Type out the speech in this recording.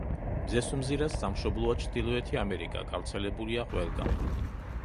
მზესუმზირას სამშობლოა ჩრდილოეთი ამერიკა, გავრცელებულია ყველგან.